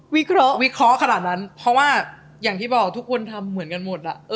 วิเคราะห์ขนาดนั้นเพราะว่าอย่างที่บอกทุกคนทำเหมือนกันหมด